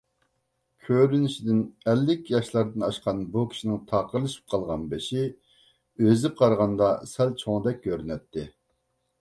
كۆرۈنۈشىدىن ئەللىك ياشلاردىن ئاشقان بۇ كىشىنىڭ تاقىرلىشىپ قالغان بېشى ئۆزىگە قارىغاندا سەل چوڭدەك كۆرۈنەتتى.